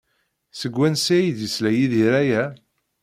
Seg wansi ay d-yesla Yidir aya?